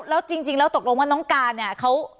แล้วจริงแล้วตกลงว่าน้องการเนี่ยเขา